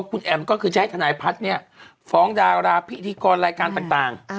คุณแอมก็คือจะให้ทนายพัฒน์เนี่ยฟ้องดาราพิธีกรรายการต่าง